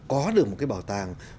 mà có được một cái nội dung cho nó tốt